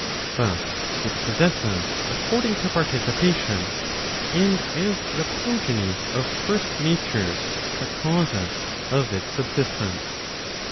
But it possesses according to participation, and as the progeny of first natures the causes of its subsist¬ ence.